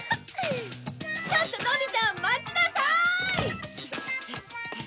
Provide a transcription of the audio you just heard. ちょっとのび太待ちなさい！